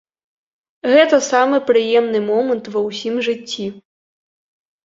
Гэта самы прыемны момант ва ўсім жыцці!